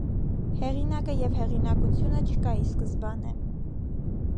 Հեղինակը եւ հեղինակութիւնը չկայ ի սկզբանէ։